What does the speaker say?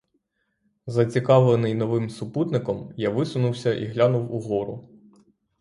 Зацікавлений новим супутником, я висунувся і глянув угору.